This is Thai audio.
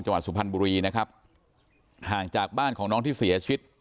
สุพรรณบุรีนะครับห่างจากบ้านของน้องที่เสียชีวิต